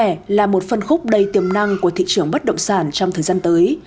bán lẻ là một phân khúc đầy tiềm năng của thị trường bất động sản trong thời gian tới